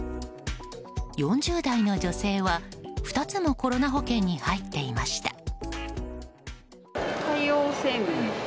４０代の女性は２つもコロナ保険に入っていました。